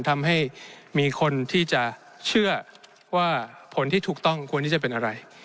ทำให้มีคนที่จะเชื่อว่าผลที่ถูกต้องควรที่จะเป็นอะไร